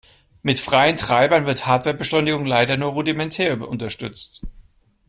Mit freien Treibern wird Hardware-Beschleunigung leider nur rudimentär unterstützt.